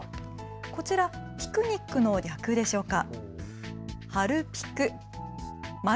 こちらピクニックの略でしょうか。